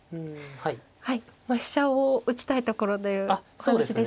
はい飛車を打ちたいところという感じでしたが。